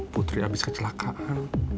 putri abis kecelakaan